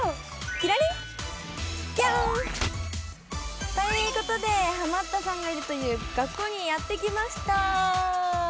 キラリン！ということでハマったさんがいるという学校にやって来ました！